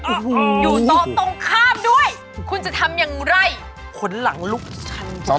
อยู่ต่อตรงข้ามด้วยคุณจะทำอย่างไรขนหลังลูกฉันด้วย